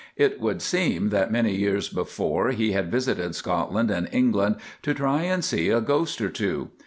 It would seem that many years before, he had visited Scotland and England to try and see a ghost or two.